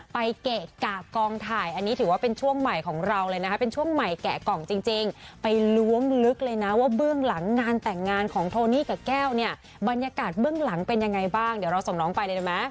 เกะกะกองถ่ายอันนี้ถือว่าเป็นช่วงใหม่ของเราเลยนะคะเป็นช่วงใหม่แกะกล่องจริงไปล้วงลึกเลยนะว่าเบื้องหลังงานแต่งงานของโทนี่กับแก้วเนี่ยบรรยากาศเบื้องหลังเป็นยังไงบ้างเดี๋ยวเราส่งน้องไปเลยได้ไหม